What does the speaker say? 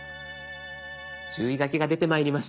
注意書きが出てまいりました。